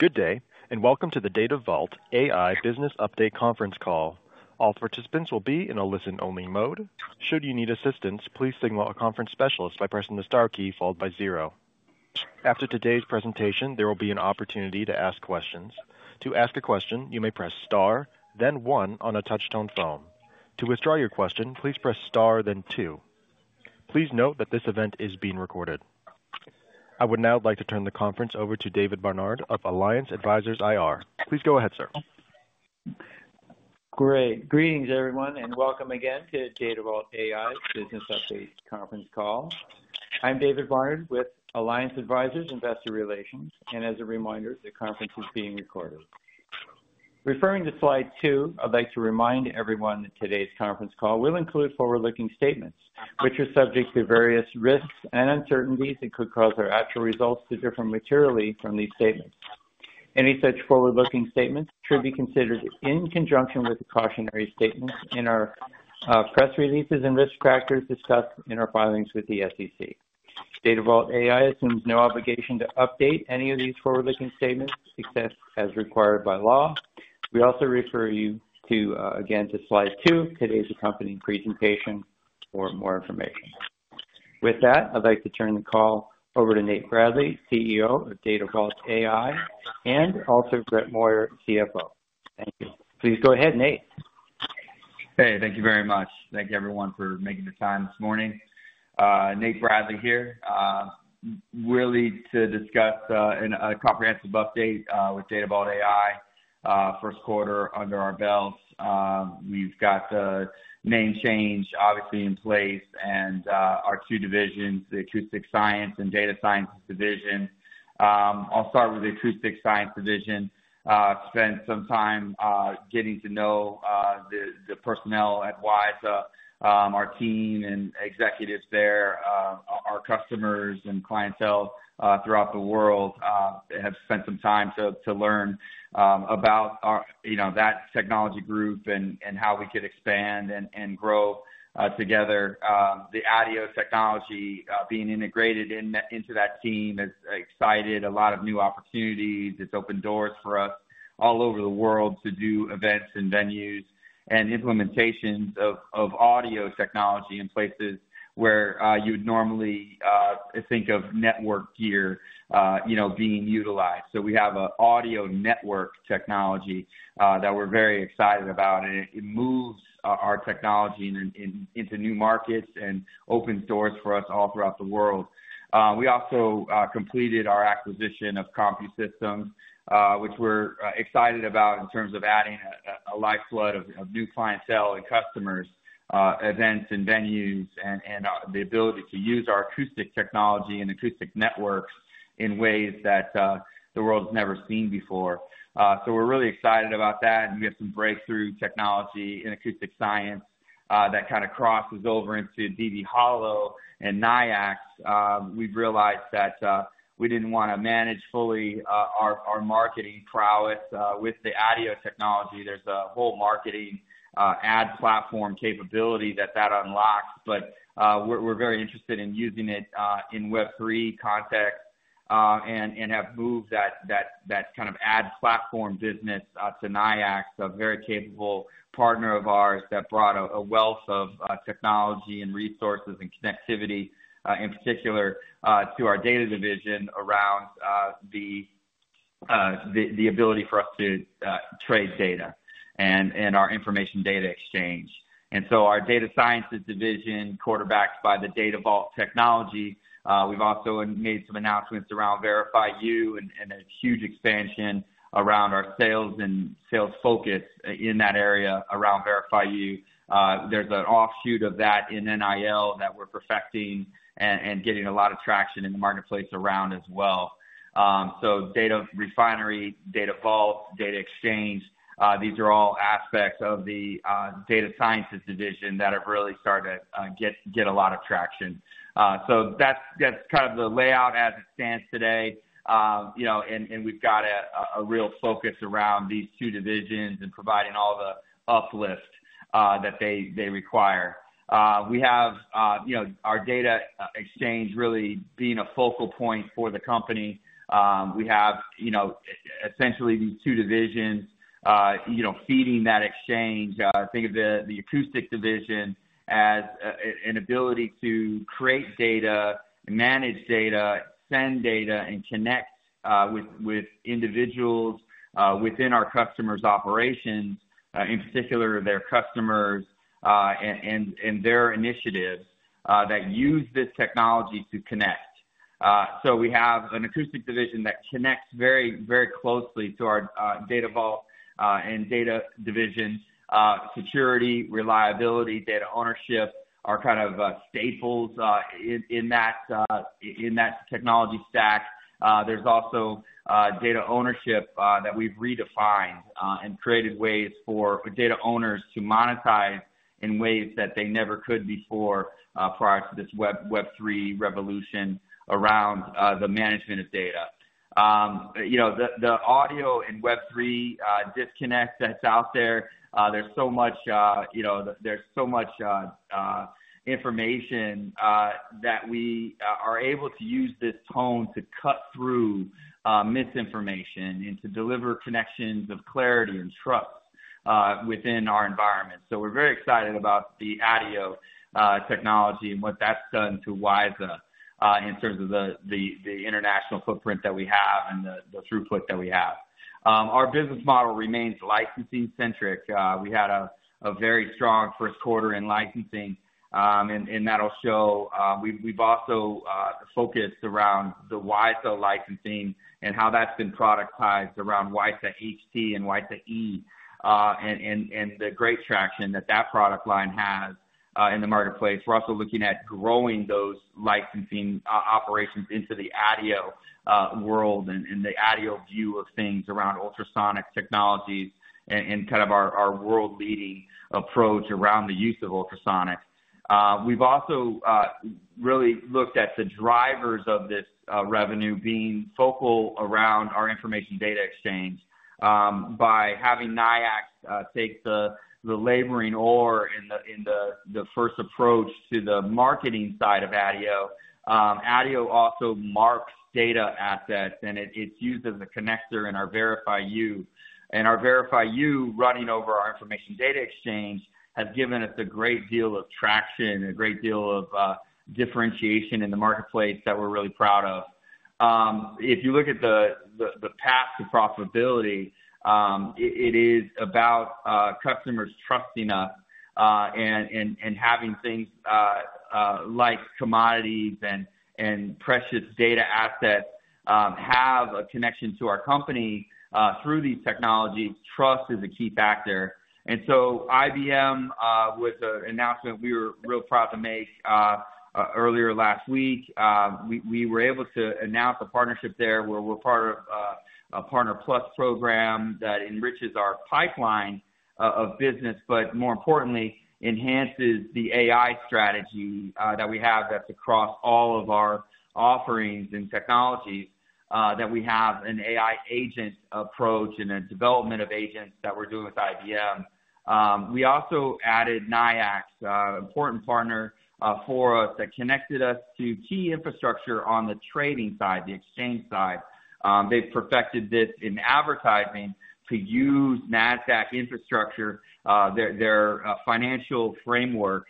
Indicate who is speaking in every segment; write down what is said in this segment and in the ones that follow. Speaker 1: Good day, and welcome to the Datavault AI Business Update conference call. All participants will be in a listen-only mode. Should you need assistance, please signal a conference specialist by pressing the star key followed by zero. After today's presentation, there will be an opportunity to ask questions. To ask a question, you may press star, then one on a touch-tone phone. To withdraw your question, please press star, then two. Please note that this event is being recorded. I would now like to turn the conference over to David Barnard of Alliance Advisors IR. Please go ahead, sir.
Speaker 2: Great. Greetings, everyone, and welcome again to Datavault AI Business Update conference call. I'm David Barnard with Alliance Advisors Investor Relations, and as a reminder, the conference is being recorded. Referring to slide two, I'd like to remind everyone that today's conference call will include forward-looking statements, which are subject to various risks and uncertainties that could cause our actual results to differ materially from these statements. Any such forward-looking statements should be considered in conjunction with the cautionary statements in our press releases and risk factors discussed in our filings with the SEC. Datavault AI assumes no obligation to update any of these forward-looking statements except as required by law. We also refer you again to slide two, today's accompanying presentation, for more information. With that, I'd like to turn the call over to Nate Bradley, CEO of Datavault AI, and also Brett Moyer, CFO. Thank you. Please go ahead, Nate.
Speaker 3: Hey, thank you very much. Thank you, everyone, for making the time this morning. Nate Bradley here. We're ready to discuss a comprehensive update with Datavault AI, first quarter under our belts. We've got the name change, obviously, in place, and our two divisions, the Acoustic Science and Data Science division. I'll start with the Acoustic Science division. I spent some time getting to know the personnel at WiSA, our team and executives there, our customers and clientele throughout the world. They have spent some time to learn about that technology group and how we could expand and grow together. The ADIO technology being integrated into that team has excited a lot of new opportunities. It's opened doors for us all over the world to do events and venues and implementations of audio technology in places where you would normally think of network gear being utilized. We have an audio network technology that we're very excited about, and it moves our technology into new markets and opens doors for us all throughout the world. We also completed our acquisition of CompuSystems, which we're excited about in terms of adding a lifeblood of new clientele and customers, events and venues, and the ability to use our acoustic technology and acoustic networks in ways that the world has never seen before. We're really excited about that, and we have some breakthrough technology in acoustic science that kind of crosses over into DVHolo and NYIAX. We've realized that we didn't want to manage fully our marketing prowess with the ADIO technology. There's a whole marketing ad platform capability that that unlocks, but we're very interested in using it in Web3 context and have moved that kind of ad platform business to NYIAX, a very capable partner of ours that brought a wealth of technology and resources and connectivity, in particular, to our data division around the ability for us to trade data and our Information Data Exchange. Our data sciences division quarterbacked by the Datavault technology. We've also made some announcements around VerifyU and a huge expansion around our sales and sales focus in that area around VerifyU. There's an offshoot of that in NIL that we're perfecting and getting a lot of traction in the marketplace around as well. Data Refinery, Datavault, data exchange, these are all aspects of the data sciences division that have really started to get a lot of traction. That's kind of the layout as it stands today, and we've got a real focus around these two divisions and providing all the uplift that they require. We have our data exchange really being a focal point for the company. We have essentially these two divisions feeding that exchange. Think of the acoustic division as an ability to create data, manage data, send data, and connect with individuals within our customers' operations, in particular, their customers and their initiatives that use this technology to connect. We have an acoustic division that connects very closely to our Datavault and data division. Security, reliability, data ownership are kind of staples in that technology stack. There's also data ownership that we've redefined and created ways for data owners to monetize in ways that they never could before prior to this Web3 revolution around the management of data. The audio and Web3 disconnect that's out there, there's so much information that we are able to use this tone to cut through misinformation and to deliver connections of clarity and trust within our environment. We are very excited about the ADIO technology and what that's done to WiSA in terms of the international footprint that we have and the throughput that we have. Our business model remains licensing-centric. We had a very strong first quarter in licensing, and that'll show. We have also focused around the WiSA licensing and how that's been productized around WiSA HT and WiSA E and the great traction that that product line has in the marketplace. We are also looking at growing those licensing operations into the ADIO world and the ADIO view of things around ultrasonic technologies and kind of our world-leading approach around the use of ultrasonics. We've also really looked at the drivers of this revenue being focal around our Information Data Exchange by having NYIAX take the laboring oar in the first approach to the marketing side of ADIO. ADIO also marks data assets, and it's used as a connector in our VerifyU. And our VerifyU running over our Information Data Exchange has given us a great deal of traction, a great deal of differentiation in the marketplace that we're really proud of. If you look at the path to profitability, it is about customers trusting us and having things like commodities and precious data assets have a connection to our company through these technologies. Trust is a key factor. IBM with an announcement we were real proud to make earlier last week. We were able to announce a partnership there where we're part of a Partner Plus program that enriches our pipeline of business, but more importantly, enhances the AI strategy that we have that's across all of our offerings and technologies that we have an AI agent approach and a development of agents that we're doing with IBM. We also added NYIAX, an important partner for us that connected us to key infrastructure on the trading side, the exchange side. They've perfected this in advertising to use NASDAQ infrastructure, their financial framework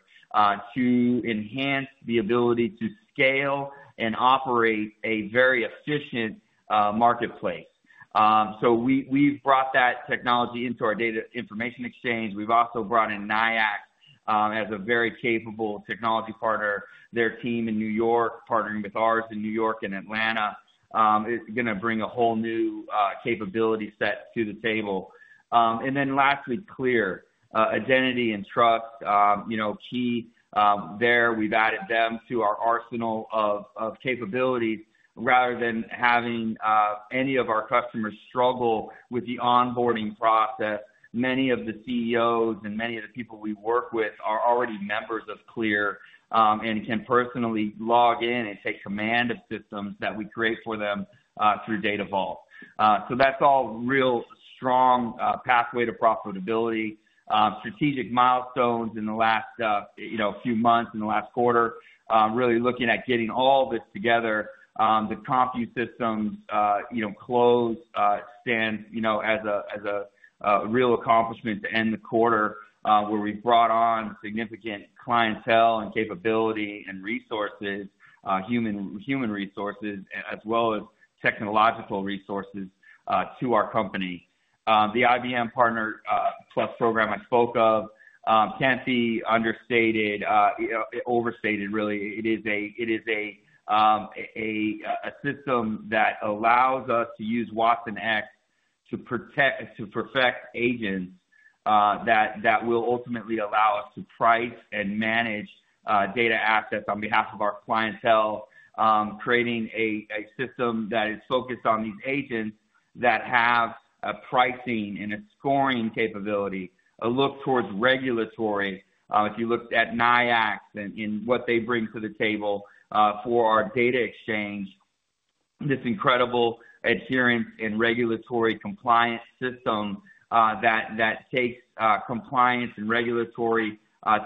Speaker 3: to enhance the ability to scale and operate a very efficient marketplace. We have brought that technology into our data information exchange. We have also brought in NYIAX as a very capable technology partner. Their team in New York, partnering with ours in New York and Atlanta, is going to bring a whole new capability set to the table. Lastly, CLEAR identity and trust, key there. We've added them to our arsenal of capabilities. Rather than having any of our customers struggle with the onboarding process, many of the CEOs and many of the people we work with are already members of CLEAR and can personally log in and take command of systems that we create for them through Datavault. That's all real strong pathway to profitability. Strategic milestones in the last few months, in the last quarter, really looking at getting all this together. The CompuSystems close stands as a real accomplishment to end the quarter where we've brought on significant clientele and capability and resources, human resources, as well as technological resources to our company. The IBM Partner Plus program I spoke of can't be understated, overstated, really. It is a system that allows us to use watsonx to perfect agents that will ultimately allow us to price and manage data assets on behalf of our clientele, creating a system that is focused on these agents that have a pricing and a scoring capability, a look towards regulatory. If you look at NYIAX and what they bring to the table for our data exchange, this incredible adherence and regulatory compliance system that takes compliance and regulatory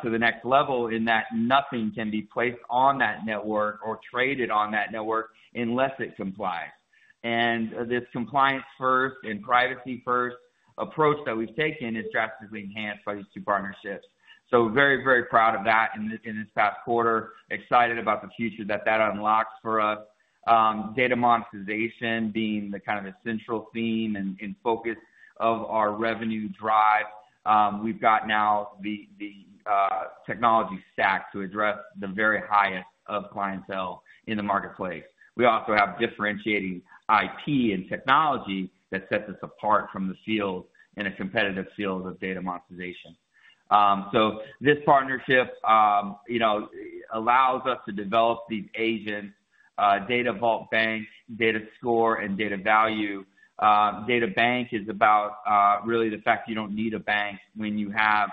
Speaker 3: to the next level in that nothing can be placed on that network or traded on that network unless it complies. This compliance-first and privacy-first approach that we've taken is drastically enhanced by these two partnerships. Very, very proud of that in this past quarter. Excited about the future that that unlocks for us. Data monetization being the kind of essential theme and focus of our revenue drive. We've got now the technology stack to address the very highest of clientele in the marketplace. We also have differentiating IP and technology that sets us apart from the field in a competitive field of data monetization. This partnership allows us to develop these agents, Data Vault Bank, DataScore, and DataValue. DataBank is about really the fact you don't need a bank when you have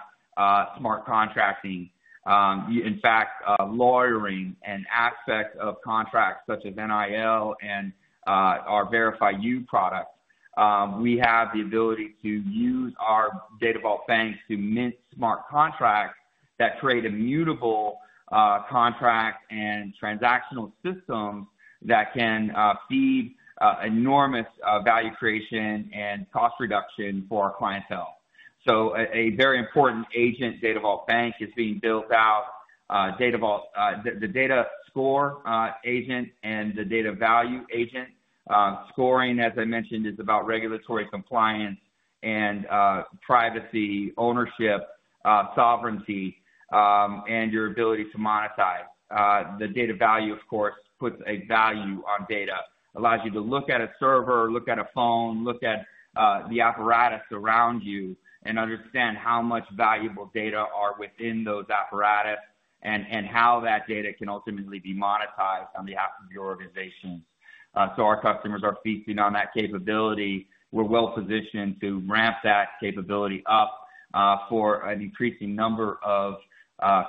Speaker 3: smart contracting. In fact, lawyering and aspects of contracts such as NIL and our VerifyU products, we have the ability to use our Data Vault Bank to mint smart contracts that create immutable contract and transactional systems that can feed enormous value creation and cost reduction for our clientele. A very important agent, Data Vault Bank, is being built out. The DataScore agent and the DataValue agent, scoring, as I mentioned, is about regulatory compliance and privacy, ownership, sovereignty, and your ability to monetize. The DataValue, of course, puts a value on data, allows you to look at a server, look at a phone, look at the apparatus around you, and understand how much valuable data are within those apparatus and how that data can ultimately be monetized on behalf of your organization. Our customers are feasting on that capability. We are well-positioned to ramp that capability up for an increasing number of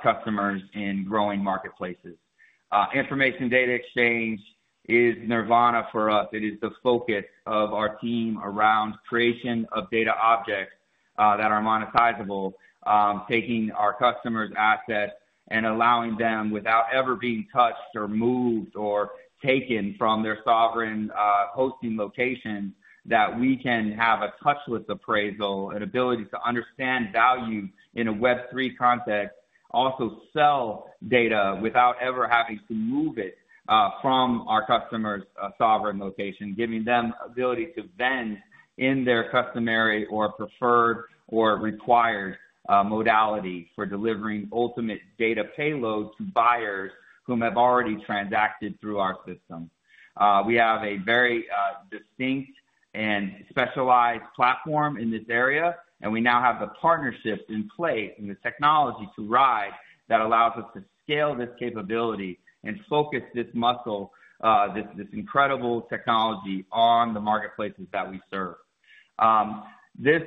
Speaker 3: customers in growing marketplaces. Information Data Exchange is nirvana for us. It is the focus of our team around creation of data objects that are monetizable, taking our customers' assets and allowing them, without ever being touched or moved or taken from their sovereign hosting location, that we can have a touchless appraisal and ability to understand value in a Web3 context, also sell data without ever having to move it from our customer's sovereign location, giving them ability to vend in their customary or preferred or required modality for delivering ultimate data payload to buyers who have already transacted through our system. We have a very distinct and specialized platform in this area, and we now have the partnership in place and the technology to ride that allows us to scale this capability and focus this muscle, this incredible technology on the marketplaces that we serve. This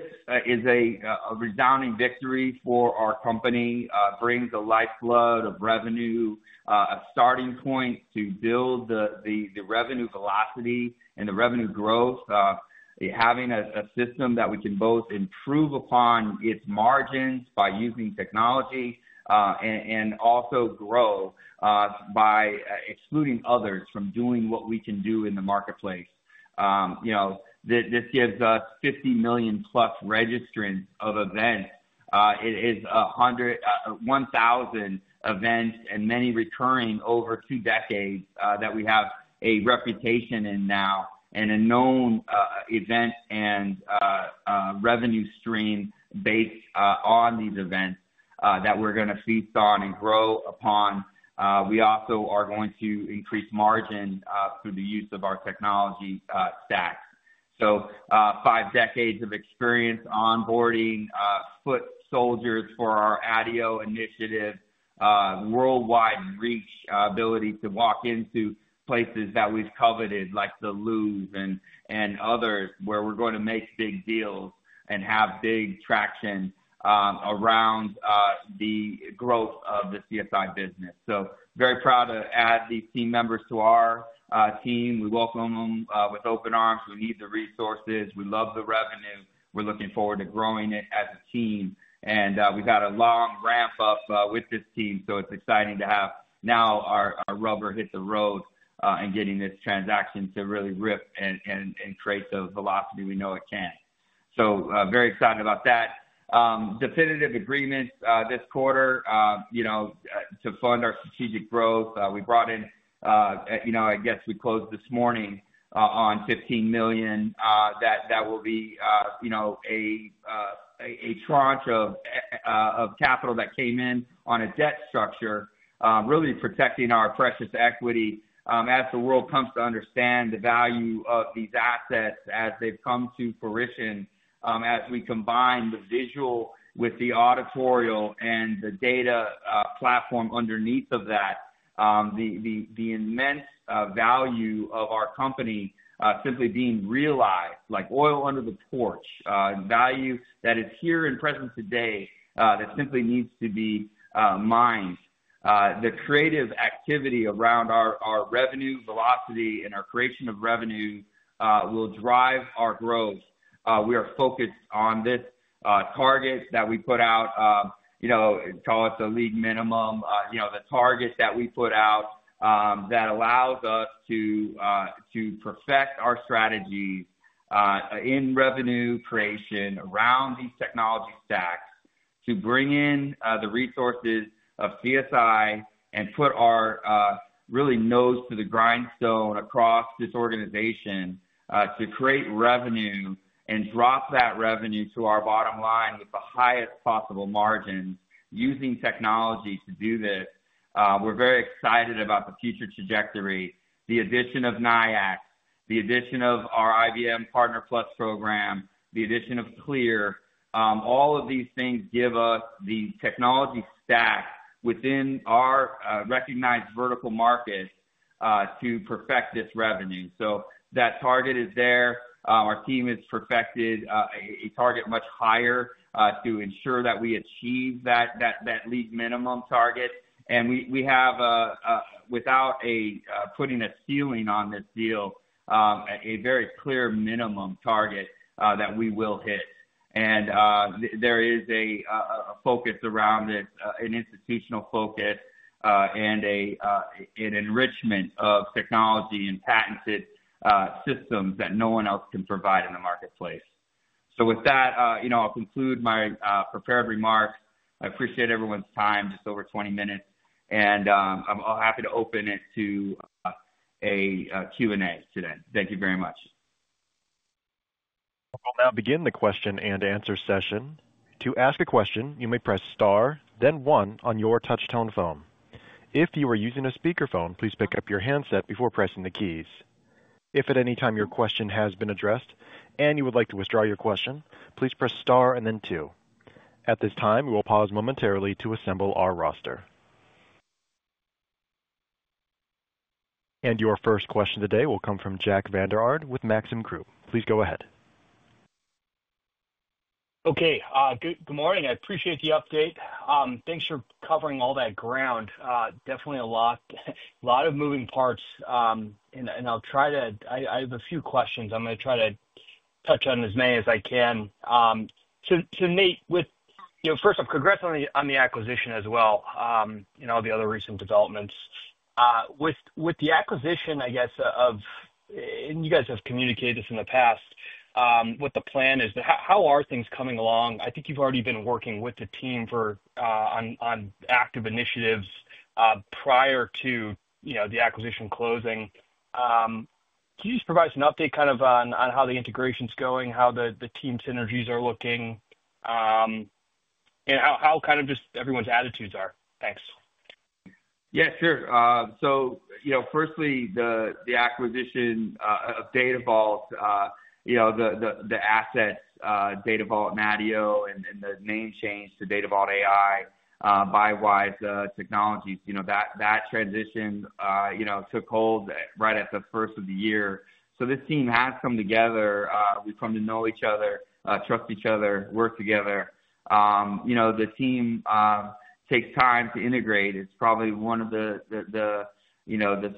Speaker 3: is a resounding victory for our company, brings a lifeblood of revenue, a starting point to build the revenue velocity and the revenue growth, having a system that we can both improve upon its margins by using technology and also grow by excluding others from doing what we can do in the marketplace. This gives us 50+ million registrants of events. It is 1,000 events and many recurring over two decades that we have a reputation in now and a known event and revenue stream based on these events that we're going to feast on and grow upon. We also are going to increase margin through the use of our technology stack. Five decades of experience onboarding foot soldiers for our ADIO initiative, worldwide reach, ability to walk into places that we've coveted like the Louvre and others where we're going to make big deals and have big traction around the growth of the CSI business. Very proud to add these team members to our team. We welcome them with open arms. We need the resources. We love the revenue. We're looking forward to growing it as a team. We've had a long ramp-up with this team, so it's exciting to have now our rubber hit the road and getting this transaction to really rip and create the velocity we know it can. Very excited about that. Definitive agreement this quarter to fund our strategic growth. We brought in, I guess we closed this morning on $15 million that will be a tranche of capital that came in on a debt structure, really protecting our precious equity as the world comes to understand the value of these assets as they've come to fruition, as we combine the visual with the auditorial and the data platform underneath of that, the immense value of our company simply being realized, like oil under the porch, value that is here in present today that simply needs to be mined. The creative activity around our revenue velocity and our creation of revenue will drive our growth. We are focused on this target that we put out. Call it the league minimum, the target that we put out that allows us to perfect our strategy in revenue creation around these technology stacks to bring in the resources of CSI and put our really nose to the grindstone across this organization to create revenue and drop that revenue to our bottom line with the highest possible margins using technology to do this. We're very excited about the future trajectory, the addition of NYIAX, the addition of our IBM Partner Plus program, the addition of CLEAR. All of these things give us the technology stack within our recognized vertical market to perfect this revenue. That target is there. Our team has perfected a target much higher to ensure that we achieve that league minimum target. We have, without putting a ceiling on this deal, a very clear minimum target that we will hit. There is a focus around this, an institutional focus and an enrichment of technology and patented systems that no one else can provide in the marketplace. With that, I'll conclude my prepared remarks. I appreciate everyone's time, just over 20 minutes. I'm happy to open it to a Q&A today. Thank you very much.
Speaker 1: We'll now begin the question and answer session. To ask a question, you may press star, then one on your touch-tone phone. If you are using a speakerphone, please pick up your handset before pressing the keys. If at any time your question has been addressed and you would like to withdraw your question, please press star and then two. At this time, we will pause momentarily to assemble our roster. Your first question today will come from Jack Vander Aarde with Maxim Group. Please go ahead.
Speaker 4: Okay. Good morning. I appreciate the update. Thanks for covering all that ground. Definitely a lot of moving parts. I have a few questions. I'm going to try to touch on as many as I can. Nate, first off, congrats on the acquisition as well, the other recent developments. With the acquisition, I guess, and you guys have communicated this in the past, what the plan is, but how are things coming along? I think you've already been working with the team on active initiatives prior to the acquisition closing. Can you just provide us an update kind of on how the integration's going, how the team synergies are looking, and how kind of just everyone's attitudes are? Thanks.
Speaker 3: Yeah, sure. Firstly, the acquisition of Datavault, the assets, Datavault ADIO, and the name change to Datavault AI, by WiSA Technologies, that transition took hold right at the first of the year. This team has come together. We've come to know each other, trust each other, work together. The team takes time to integrate. It's probably one of the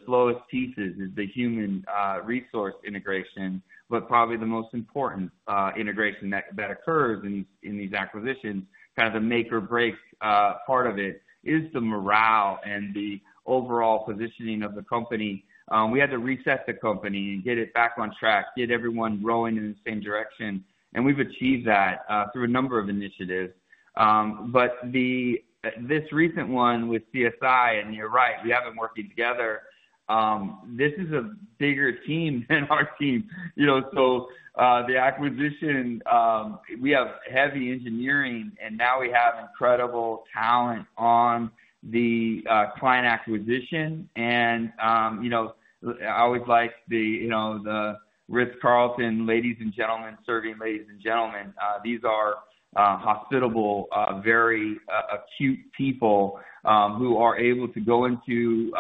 Speaker 3: slowest pieces is the human resource integration, but probably the most important integration that occurs in these acquisitions, kind of the make or break part of it is the morale and the overall positioning of the company. We had to reset the company and get it back on track, get everyone rowing in the same direction. We've achieved that through a number of initiatives. This recent one with CSI, and you're right, we have been working together. This is a bigger team than our team. The acquisition, we have heavy engineering, and now we have incredible talent on the client acquisition. I always like the Ritz-Carlton, ladies and gentlemen, serving ladies and gentlemen. These are hospitable, very acute people who are able to go into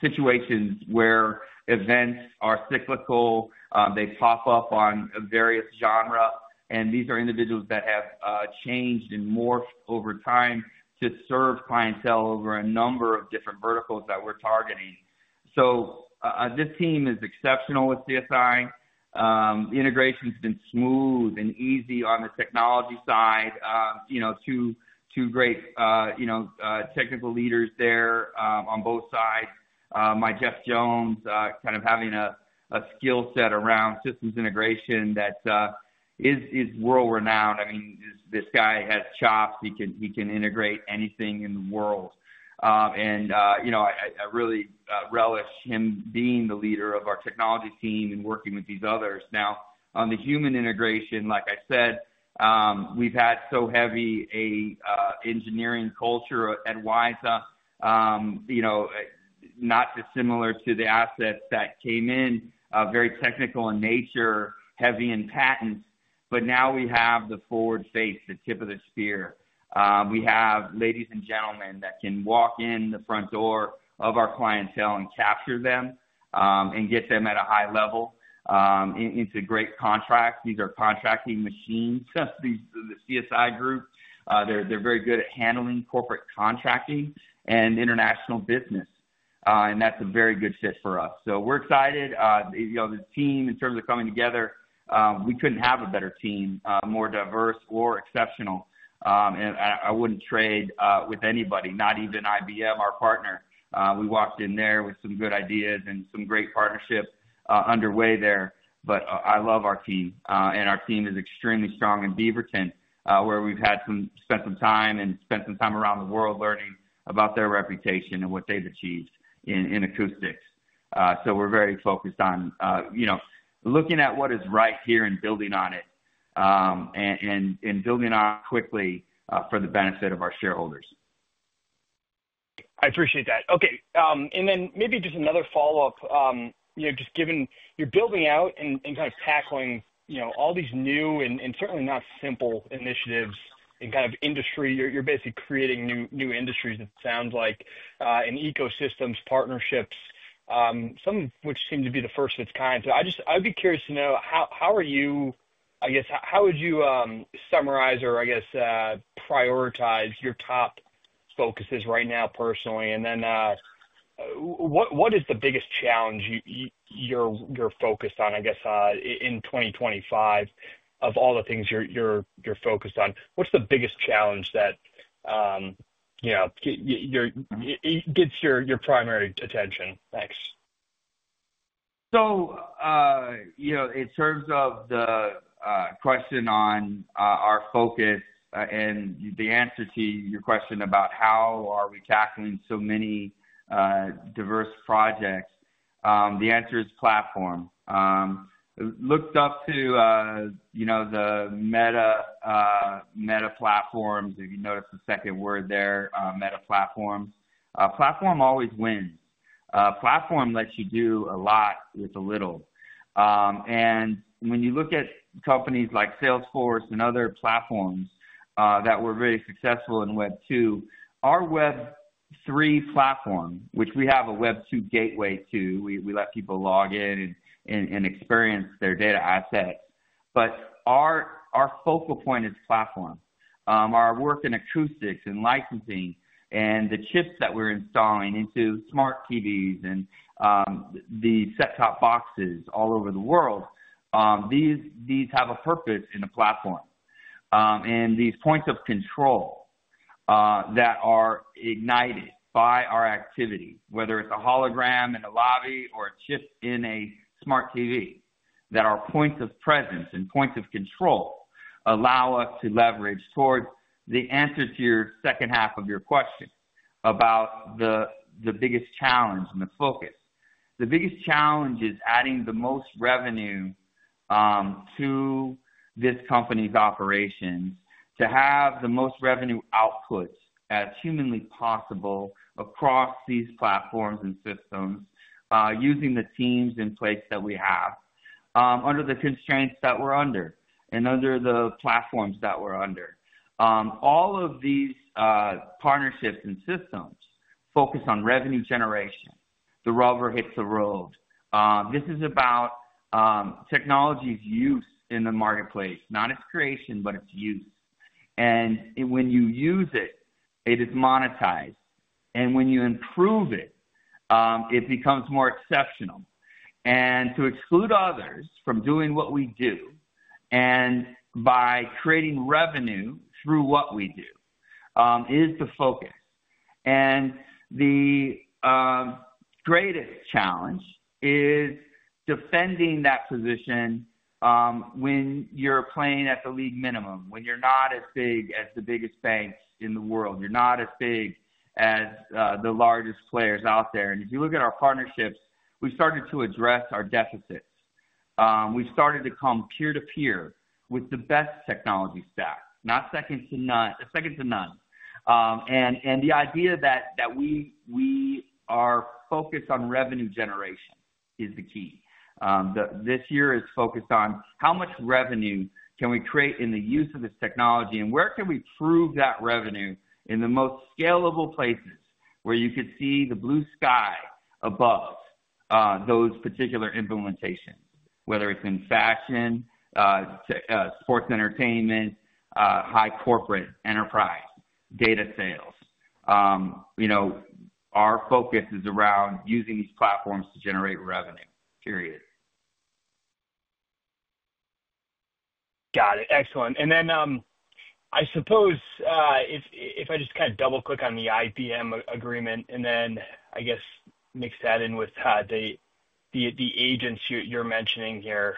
Speaker 3: situations where events are cyclical, they pop up on various genres. These are individuals that have changed and morphed over time to serve clientele over a number of different verticals that we're targeting. This team is exceptional with CSI. The integration has been smooth and easy on the technology side. Two great technical leaders there on both sides. My Geoff Jones kind of having a skill set around systems integration that is world-renowned. I mean, this guy has chops. He can integrate anything in the world. I really relish him being the leader of our technology team and working with these others. Now, on the human integration, like I said, we've had so heavy an engineering culture at WiSA, not dissimilar to the assets that came in, very technical in nature, heavy in patents. Now we have the forward face, the tip of the spear. We have ladies and gentlemen that can walk in the front door of our clientele and capture them and get them at a high level into great contracts. These are contracting machines, the CSI group. They're very good at handling corporate contracting and international business. That is a very good fit for us. We are excited. The team, in terms of coming together, we could not have a better team, more diverse or exceptional. I would not trade with anybody, not even IBM, our partner. We walked in there with some good ideas and some great partnership underway there. I love our team. Our team is extremely strong in Beaverton, where we've spent some time and spent some time around the world learning about their reputation and what they've achieved in acoustics. We are very focused on looking at what is right here and building on it and building on quickly for the benefit of our shareholders.
Speaker 4: I appreciate that. Okay. Maybe just another follow-up, just given you're building out and kind of tackling all these new and certainly not simple initiatives in kind of industry. You're basically creating new industries, it sounds like, and ecosystems, partnerships, some of which seem to be the first of its kind. I'd be curious to know, how are you? I guess, how would you summarize or, I guess, prioritize your top focuses right now personally? What is the biggest challenge you're focused on, I guess, in 2025 of all the things you're focused on? What's the biggest challenge that gets your primary attention? Thanks.
Speaker 3: In terms of the question on our focus and the answer to your question about how are we tackling so many diverse projects, the answer is platform. Looked up to the Meta Platforms, if you notice the second word there, Meta Platforms. Platform always wins. Platform lets you do a lot with a little. When you look at companies like Salesforce and other platforms that were very successful in Web2, our Web3 platform, which we have a Web2 gateway to, we let people log in and experience their data assets. Our focal point is platform. Our work in acoustics and licensing and the chips that we're installing into smart TVs and the set-top boxes all over the world, these have a purpose in a platform. These points of control that are ignited by our activity, whether it's a hologram in a lobby or a chip in a smart TV, that are points of presence and points of control allow us to leverage towards the answer to your second half of your question about the biggest challenge and the focus. The biggest challenge is adding the most revenue to this company's operations to have the most revenue output as humanly possible across these platforms and systems using the teams in place that we have under the constraints that we're under and under the platforms that we're under. All of these partnerships and systems focus on revenue generation. The rubber hits the road. This is about technology's use in the marketplace, not its creation, but its use. When you use it, it is monetized. When you improve it, it becomes more exceptional. To exclude others from doing what we do and by creating revenue through what we do is the focus. The greatest challenge is defending that position when you're playing at the league minimum, when you're not as big as the biggest banks in the world, you're not as big as the largest players out there. If you look at our partnerships, we've started to address our deficits. We've started to come peer-to-peer with the best technology stack, not second to none. The idea that we are focused on revenue generation is the key. This year is focused on how much revenue can we create in the use of this technology and where can we prove that revenue in the most scalable places where you could see the blue sky above those particular implementations, whether it's in fashion, sports entertainment, high corporate enterprise, data sales. Our focus is around using these platforms to generate revenue, period.
Speaker 4: Got it. Excellent. I suppose if I just kind of double-click on the IBM agreement and then I guess mix that in with the agents you're mentioning here.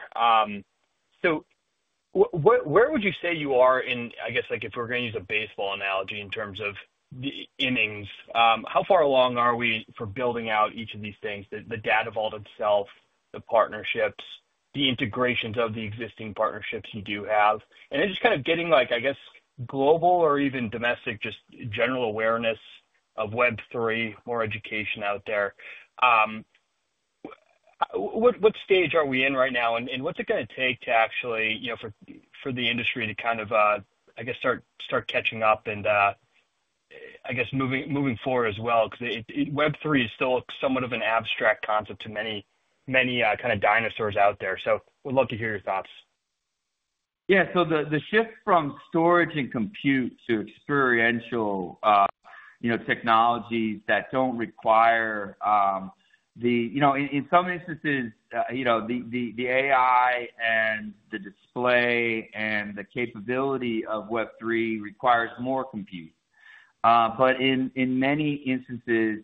Speaker 4: Where would you say you are in, I guess, if we're going to use a baseball analogy in terms of the innings, how far along are we for building out each of these things, the Datavault itself, the partnerships, the integrations of the existing partnerships you do have? Just kind of getting, I guess, global or even domestic, just general awareness of Web3, more education out there. What stage are we in right now? What's it going to take to actually, for the industry to kind of, I guess, start catching up and, I guess, moving forward as well? Web3 is still somewhat of an abstract concept to many kind of dinosaurs out there. We'd love to hear your thoughts.
Speaker 3: Yeah. The shift from storage and compute to experiential technologies that don't require the, in some instances, the AI and the display and the capability of Web3 requires more compute. In many instances,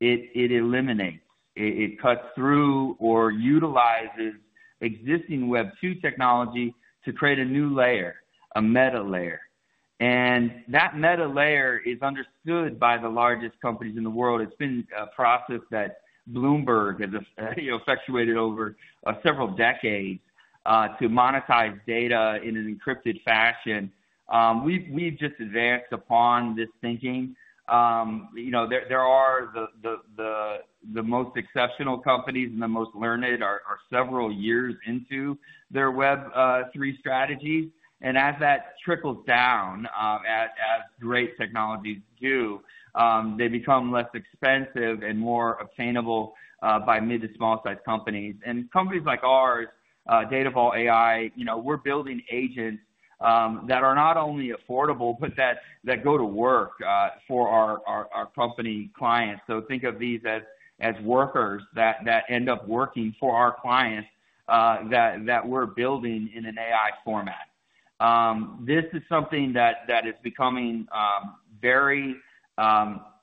Speaker 3: it eliminates. It cuts through or utilizes existing Web2 technology to create a new layer, a meta layer. That meta layer is understood by the largest companies in the world. It's been a process that Bloomberg has effectuated over several decades to monetize data in an encrypted fashion. We've just advanced upon this thinking. There are the most exceptional companies and the most learned are several years into their Web3 strategies. As that trickles down, as great technologies do, they become less expensive and more obtainable by mid to small-sized companies. Companies like ours, Datavault AI, we're building agents that are not only affordable, but that go to work for our company clients. Think of these as workers that end up working for our clients that we're building in an AI format. This is something that is becoming very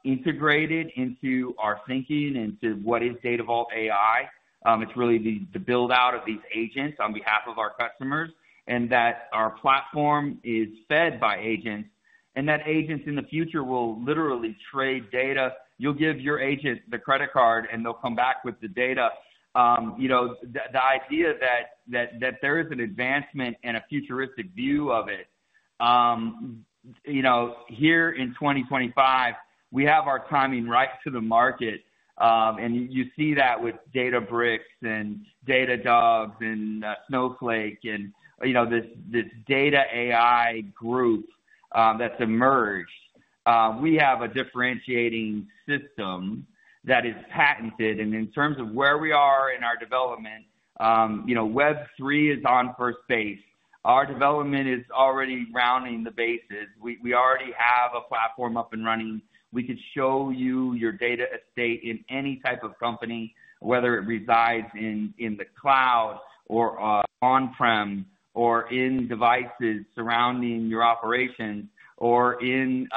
Speaker 3: integrated into our thinking and to what is Datavault AI. It's really the build-out of these agents on behalf of our customers and that our platform is fed by agents and that agents in the future will literally trade data. You'll give your agent the credit card and they'll come back with the data. The idea that there is an advancement and a futuristic view of it. Here in 2025, we have our timing right to the market. You see that with Databricks and Datadog and Snowflake and this data AI group that's emerged. We have a differentiating system that is patented. In terms of where we are in our development, Web3 is on first base. Our development is already rounding the bases. We already have a platform up and running. We could show you your data estate in any type of company, whether it resides in the cloud or on-prem or in devices surrounding your operations or in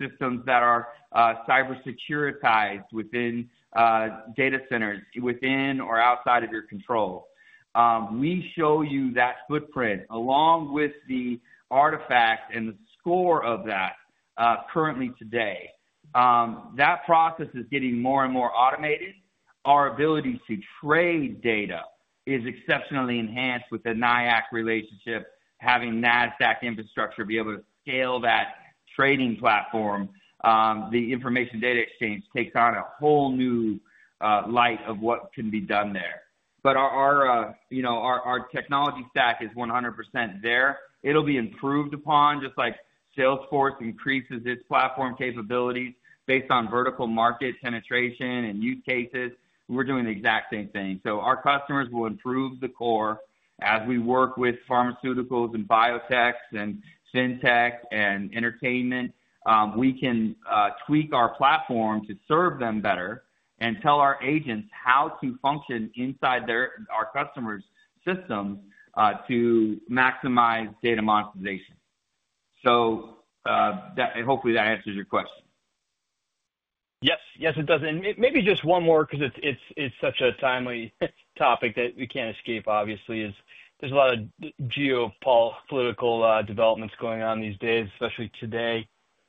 Speaker 3: systems that are cybersecuritized within data centers, within or outside of your control. We show you that footprint along with the artifact and the score of that currently today. That process is getting more and more automated. Our ability to trade data is exceptionally enhanced with the NYIAX relationship, having NASDAQ infrastructure be able to scale that trading platform. The Information Data Exchange takes on a whole new light of what can be done there. Our technology stack is 100% there. It'll be improved upon just like Salesforce increases its platform capabilities based on vertical market penetration and use cases. We're doing the exact same thing. Our customers will improve the core as we work with pharmaceuticals and biotechs and fintech and entertainment. We can tweak our platform to serve them better and tell our agents how to function inside our customers' systems to maximize data monetization. Hopefully that answers your question.
Speaker 4: Yes. Yes, it does. Maybe just one more because it's such a timely topic that we can't escape, obviously, is there's a lot of geopolitical developments going on these days, especially today.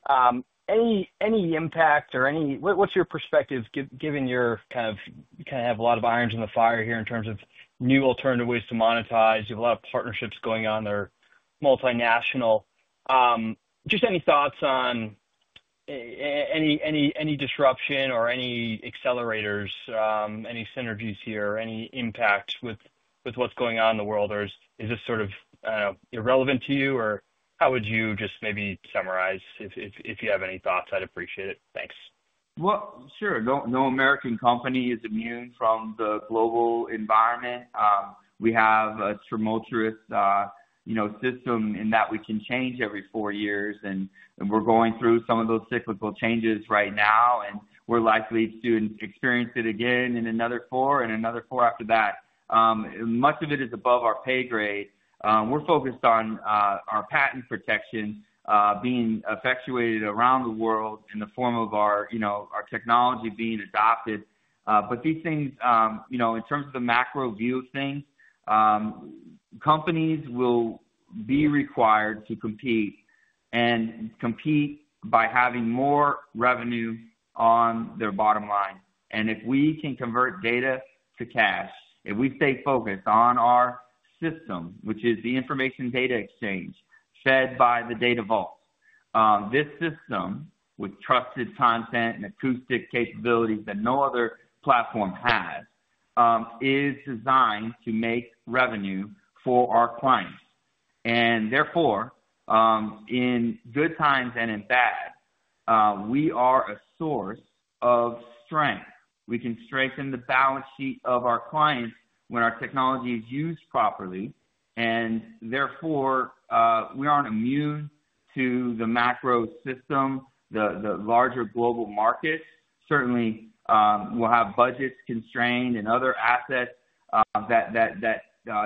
Speaker 4: Any impact or any, what's your perspective given you kind of have a lot of irons in the fire here in terms of new alternative ways to monetize. You have a lot of partnerships going on. They're multinational. Just any thoughts on any disruption or any accelerators, any synergies here, any impact with what's going on in the world? Is this sort of irrelevant to you? How would you just maybe summarize if you have any thoughts? I'd appreciate it. Thanks.
Speaker 3: No American company is immune from the global environment. We have a tumultuous system in that we can change every four years. We are going through some of those cyclical changes right now. We are likely to experience it again in another four and another four after that. Much of it is above our pay grade. We are focused on our patent protection being effectuated around the world in the form of our technology being adopted. These things, in terms of the macro view of things, companies will be required to compete and compete by having more revenue on their bottom line. If we can convert data to cash, if we stay focused on our system, which is the Information Data Exchange fed by the Datavault, this system with trusted content and acoustic capabilities that no other platform has is designed to make revenue for our clients. Therefore, in good times and in bad, we are a source of strength. We can strengthen the balance sheet of our clients when our technology is used properly. Therefore, we are not immune to the macro system, the larger global markets. Certainly, we will have budgets constrained and other assets that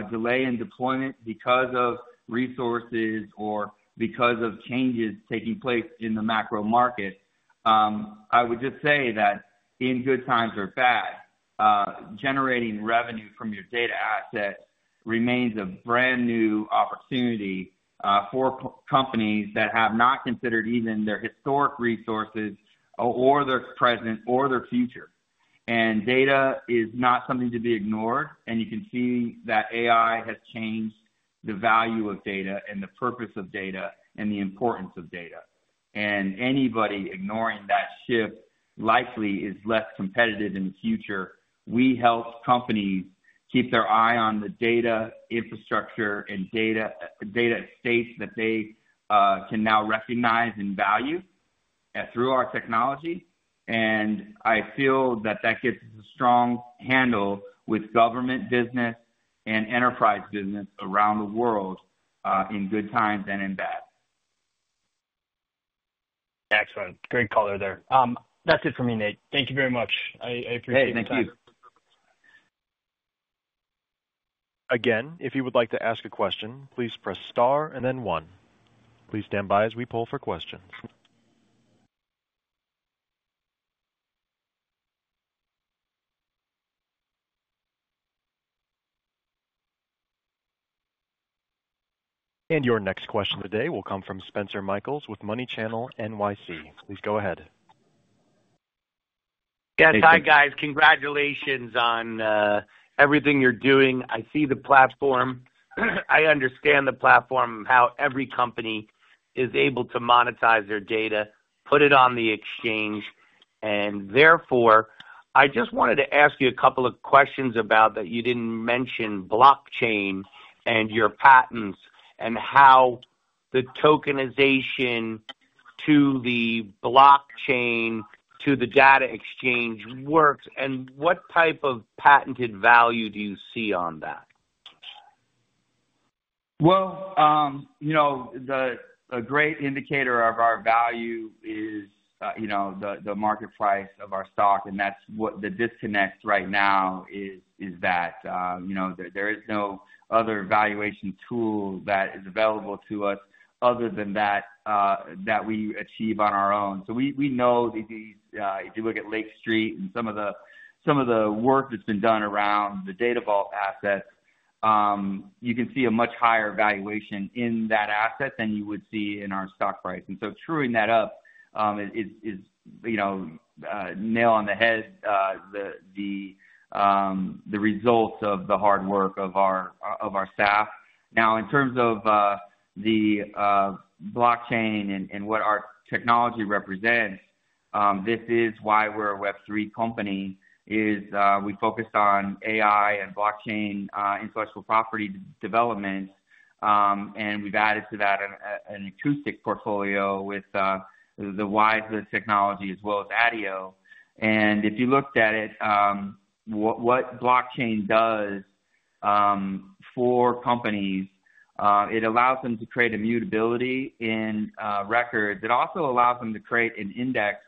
Speaker 3: delay in deployment because of resources or because of changes taking place in the macro market. I would just say that in good times or bad, generating revenue from your data assets remains a brand new opportunity for companies that have not considered even their historic resources or their present or their future. Data is not something to be ignored. You can see that AI has changed the value of data, the purpose of data, and the importance of data. Anybody ignoring that shift likely is less competitive in the future. We help companies keep their eye on the data infrastructure and data estates that they can now recognize and value through our technology. I feel that gives us a strong handle with government business and enterprise business around the world in good times and in bad.
Speaker 4: Excellent. Great color there. That's it for me, Nate. Thank you very much. I appreciate it.
Speaker 3: Thank you.
Speaker 1: Again, if you would like to ask a question, please press star and then one. Please stand by as we pull for questions. Your next question today will come from Spencer Michaels with Money Channel NYC. Please go ahead.
Speaker 5: Yes, hi guys. Congratulations on everything you're doing. I see the platform. I understand the platform, how every company is able to monetize their data, put it on the exchange. I just wanted to ask you a couple of questions about that. You didn't mention blockchain and your patents and how the tokenization to the blockchain to the data exchange works. What type of patented value do you see on that?
Speaker 3: A great indicator of our value is the market price of our stock. That is what the disconnect right now is, that there is no other valuation tool that is available to us other than that we achieve on our own. We know if you look at Lake Street and some of the work that's been done around the Datavault assets, you can see a much higher valuation in that asset than you would see in our stock price. Truing that up is nail on the head, the results of the hard work of our staff. In terms of the blockchain and what our technology represents, this is why we're a Web3 company. We focus on AI and blockchain intellectual property development. We've added to that an acoustic portfolio with the WiSA Technology as well as ADIO. If you looked at it, what blockchain does for companies, it allows them to create immutability in records. It also allows them to create an index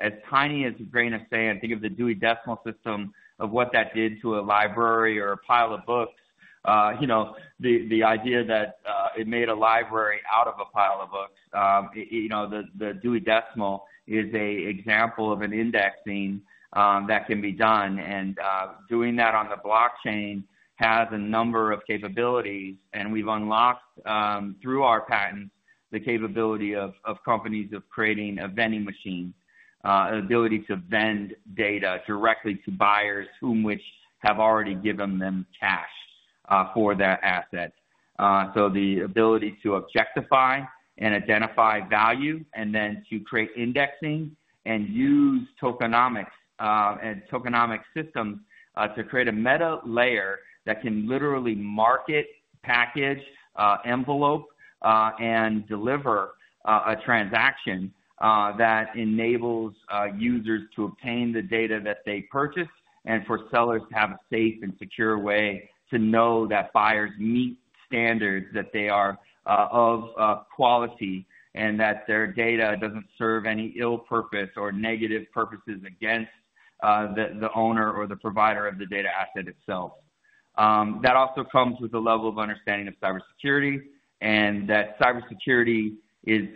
Speaker 3: as tiny as a grain of sand. Think of the Dewey Decimal system of what that did to a library or a pile of books. The idea that it made a library out of a pile of books. The Dewey Decimal is an example of an indexing that can be done. Doing that on the blockchain has a number of capabilities. We have unlocked through our patents the capability of companies of creating a vending machine, an ability to vend data directly to buyers whom which have already given them cash for that asset. The ability to objectify and identify value and then to create indexing and use tokenomics and tokenomics systems to create a meta layer that can literally market, package, envelope, and deliver a transaction that enables users to obtain the data that they purchased and for sellers to have a safe and secure way to know that buyers meet standards that they are of quality and that their data does not serve any ill purpose or negative purposes against the owner or the provider of the data asset itself. That also comes with a level of understanding of cybersecurity and that cybersecurity is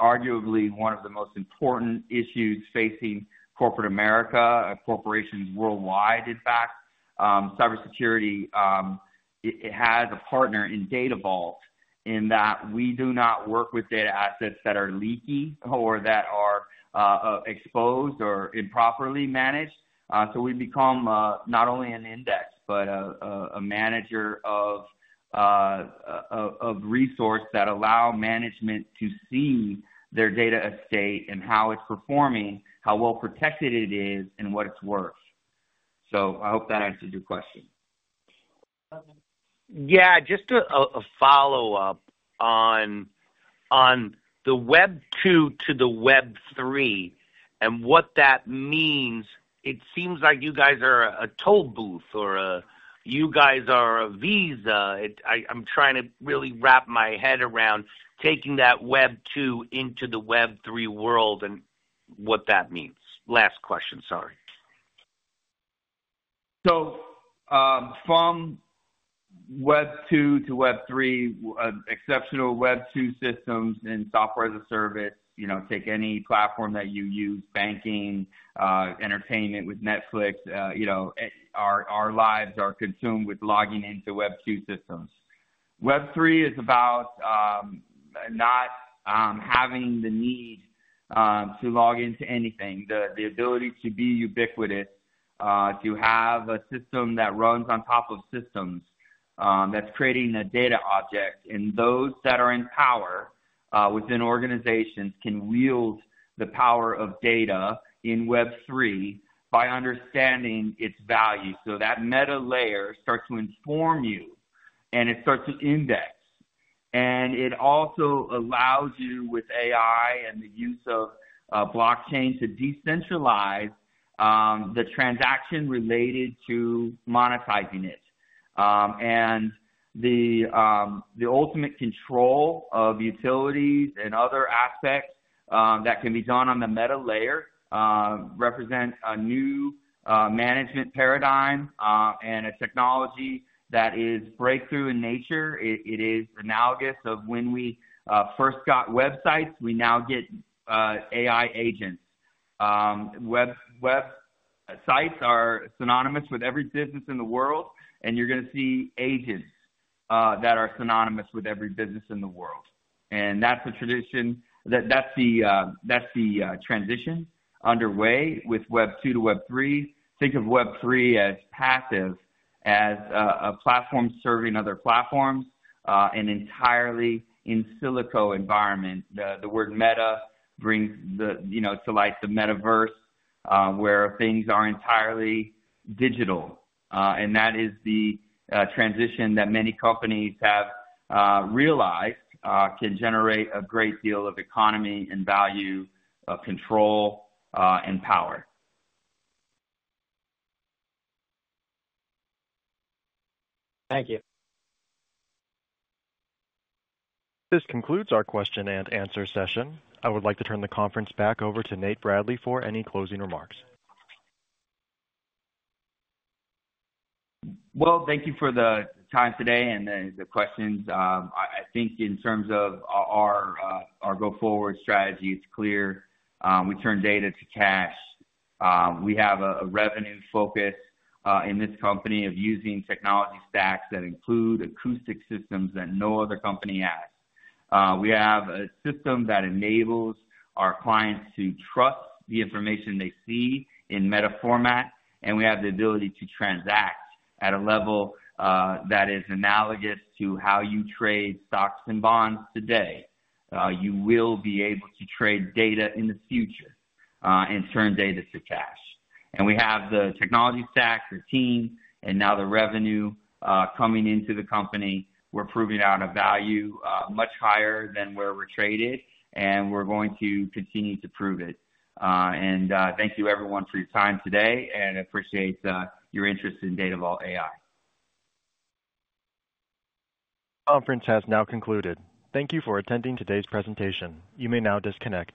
Speaker 3: arguably one of the most important issues facing corporate America, corporations worldwide, in fact. Cybersecurity has a partner in Datavault AI in that we do not work with data assets that are leaky or that are exposed or improperly managed. We become not only an index, but a manager of resource that allow management to see their data estate and how it's performing, how well protected it is, and what it's worth. I hope that answers your question.
Speaker 5: Yeah, just a follow-up on the Web2 to the Web3 and what that means. It seems like you guys are a toll booth or you guys are a Visa. I'm trying to really wrap my head around taking that Web2 into the Web3 world and what that means. Last question, sorry.
Speaker 3: From Web2 to Web3, exceptional Web2 systems and software as a service, take any platform that you use, banking, entertainment with Netflix, our lives are consumed with logging into Web2 systems. Web3 is about not having the need to log into anything, the ability to be ubiquitous, to have a system that runs on top of systems that's creating a data object. Those that are in power within organizations can wield the power of data in Web3 by understanding its value. That meta layer starts to inform you and it starts to index. It also allows you with AI and the use of blockchain to decentralize the transaction related to monetizing it. The ultimate control of utilities and other aspects that can be done on the meta layer represent a new management paradigm and a technology that is breakthrough in nature. It is analogous of when we first got websites, we now get AI agents. Websites are synonymous with every business in the world. You are going to see agents that are synonymous with every business in the world. That is the transition underway with Web2 to Web3. Think of Web3 as passive as a platform serving other platforms and entirely in silico environment. The word meta brings to light the metaverse where things are entirely digital. That is the transition that many companies have realized can generate a great deal of economy and value of control and power.
Speaker 5: Thank you.
Speaker 1: This concludes our question and answer session. I would like to turn the conference back over to Nate Bradley for any closing remarks. Thank you for the time today and the questions. I think in terms of our go-forward strategy, it's clear. We turn data to cash. We have a revenue focus in this company of using technology stacks that include acoustic systems that no other company has.
Speaker 3: We have a system that enables our clients to trust the information they see in meta format. We have the ability to transact at a level that is analogous to how you trade stocks and bonds today. You will be able to trade data in the future and turn data to cash. We have the technology stack, the team, and now the revenue coming into the company. We are proving out a value much higher than where we are traded. We are going to continue to prove it. Thank you, everyone, for your time today. I appreciate your interest in Datavault AI.
Speaker 1: The conference has now concluded. Thank you for attending today's presentation. You may now disconnect.